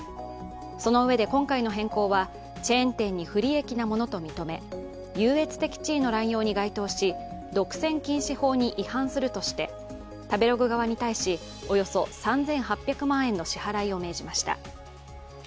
そのうえで今回の変更は、チェーン店に不利益なものと認め、優越的地位の乱用に該当し独占禁止法に違反するとして食べログ側に対し、およそ３８００万円の支払いを命じました。